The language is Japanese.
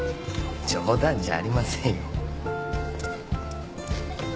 冗談じゃありませんよ。